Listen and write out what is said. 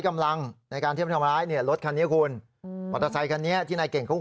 กำลังในการที่ไปทำร้ายเนี่ยรถคันนี้คุณอืมมอเตอร์ไซคันนี้ที่นายเก่งเขา